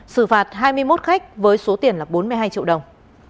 xử phạt hai mươi một khách với số tiền là bốn mươi hai triệu đồng